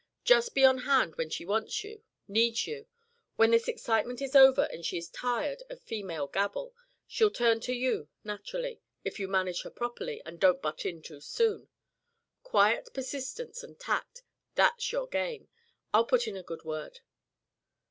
Just be on hand when she wants you, needs you. When this excitement is over and she is tired of female gabble, she'll turn to you naturally, if you manage her properly and don't butt in too soon. Quiet persistence and tact; that's your game. I'll put in a good word."